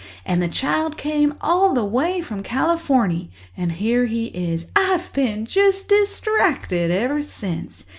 And the child came all the way from Californy, and here he is. I've been just distracted ever since.